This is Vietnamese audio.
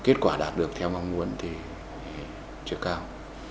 kết quả đạt được theo mong muốn thì chưa cao